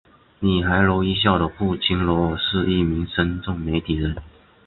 女孩罗一笑的父亲罗尔是一名深圳媒体人。